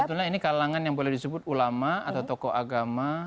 sebetulnya ini kalangan yang boleh disebut ulama atau tokoh agama